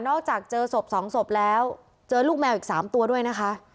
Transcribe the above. อกจากเจอศพ๒ศพแล้วเจอลูกแมวอีก๓ตัวด้วยนะคะ